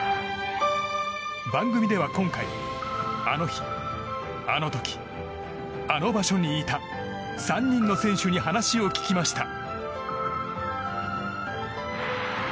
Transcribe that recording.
番組では今回あの日、あの時、あの場所にいた３人の選手に話を聞きました。